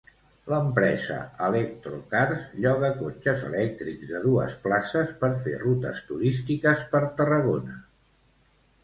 L'empresa Electrokars lloga cotxes elèctrics de dues places per fer rutes turístiques per Tarragona.